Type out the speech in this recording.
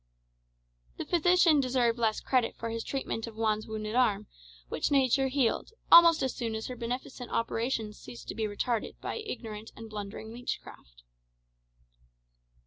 The physician deserved less credit for his treatment of Juan's wounded arm, which nature healed, almost as soon as her beneficent operations ceased to be retarded by ignorant and blundering leech craft.